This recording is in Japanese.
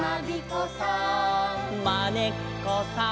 「まねっこさん」